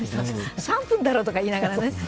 ３分だろうとか言いながらね